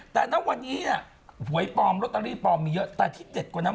แต่นั่นวันนี้น่ะบรวยปอมล็อตตาลีปอมมีเยอะแต่ที่เจ็ดกว่านั้น